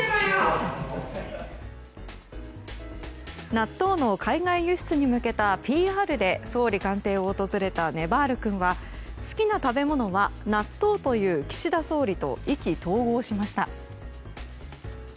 納豆の海外輸出に向けたＰＲで総理官邸を訪れたねばる君は好きな食べ物は納豆という岸田総理と意気投合しました。